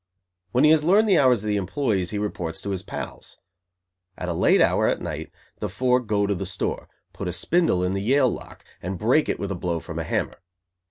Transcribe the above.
When he has learned the hours of the employees he reports to his "pals". At a late hour at night the four go to the store, put a spindle in the Yale lock, and break it with a blow from a hammer.